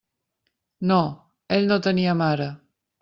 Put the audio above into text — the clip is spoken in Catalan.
No; ell no tenia mare.